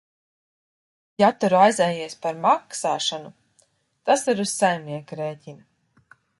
Ja tu raizējies par maksāšanu, tas ir uz saimnieka rēķina.